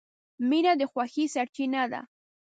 • مینه د خوښۍ سرچینه ده.